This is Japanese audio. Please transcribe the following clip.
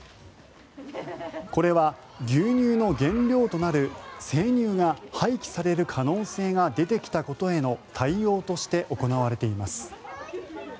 これは牛乳の原料となる生乳が廃棄される可能性が出てきたことへの対応として行われています。